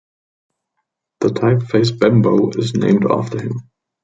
The typeface Bembo is named after him.